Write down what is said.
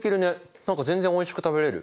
何か全然おいしく食べれる。